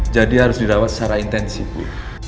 jadi harus dirawat secara intensif bu